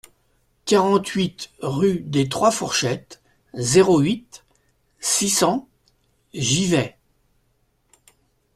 quarante-huit rue des trois Fourchettes, zéro huit, six cents, Givet